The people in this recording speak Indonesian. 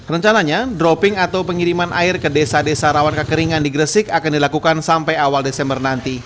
rencananya dropping atau pengiriman air ke desa desa rawan kekeringan di gresik akan dilakukan sampai awal desember nanti